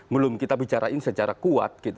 belum kita bicarain secara kuat